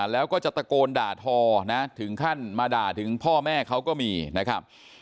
แล้วก็จะตะโกนด่าทอนะถึงขั้นมาด่าถึงพ่อแม่เขาก็มีนะครับ